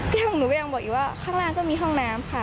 ของหนูก็ยังบอกอยู่ว่าข้างล่างก็มีห้องน้ำค่ะ